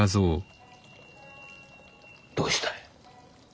どうしたい？